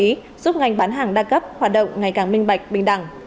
giúp ngành bán hàng đa cấp hoạt động ngày càng minh bạch bình đẳng